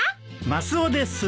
マスオです。